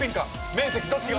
面積どっちが？